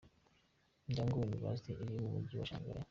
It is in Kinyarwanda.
Donghua University iri mu Mujyi wa Shanghai.